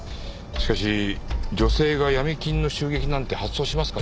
しかし女性が闇金の襲撃なんて発想しますかね？